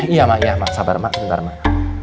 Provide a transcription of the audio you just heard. iya mak ya mak sabar mak sebentar mak